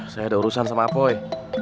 saya ada urusan sama poi